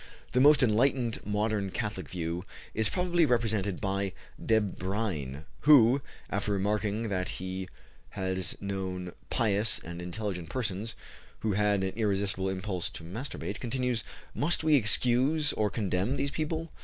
The most enlightened modern Catholic view is probably represented by Debreyne, who, after remarking that he has known pious and intelligent persons who had an irresistible impulse to masturbate, continues: "Must we excuse, or condemn, these people?